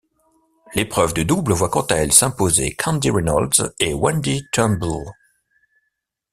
L'épreuve de double voit quant à elle s'imposer Candy Reynolds et Wendy Turnbull.